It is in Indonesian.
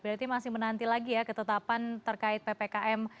berarti masih menanti lagi ya ketetapan terkait ppkm